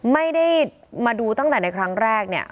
ไม่ได้มาดูตั้งแต่ในครั้งแรกเนี่ย